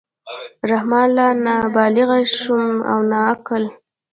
رحمان لا نه بالِغ شوم او نه عاقل.